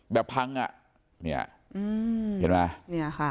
แบบพังอ่ะเนี่ยเห็นมั้ย